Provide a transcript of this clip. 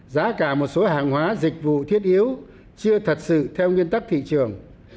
giá cả một số hàng hóa dịch vụ thiết yếu chưa thật sự theo nguyên tắc thị trường